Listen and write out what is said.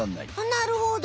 なるほど！